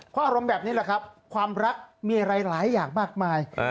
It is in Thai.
เพราะอารมณ์แบบนี้แหละครับความรักมีอะไรหลายอย่างมากมาย